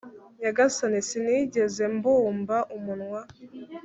nyagasani, sinigeze mbumba umunwa